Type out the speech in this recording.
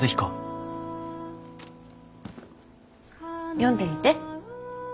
読んでみて。